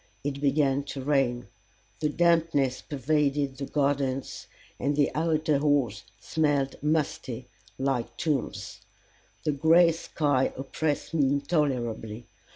It began to rain. The dampness pervaded the gardens, and the outer halls smelled musty, like tombs; the gray sky oppressed me intolerably.